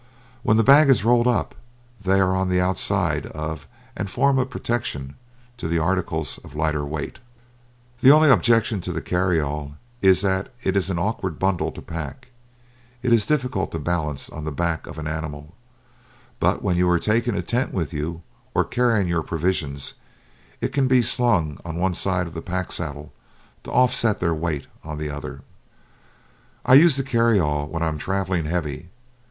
When the bag is rolled up they are on the outside of and form a protection to the articles of lighter weight. The only objection to the carry all is that it is an awkward bundle to pack. It is difficult to balance it on the back of an animal, but when you are taking a tent with you or carrying your provisions, it can be slung on one side of the pack saddle to offset their weight on the other. I use the carry all when I am travelling "heavy."